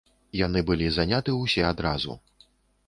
Яны былі заняты ўсе адразу.